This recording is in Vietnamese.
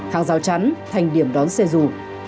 hàng rào chắn thành điểm đón xe dù